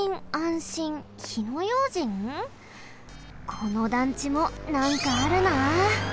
この団地もなんかあるな。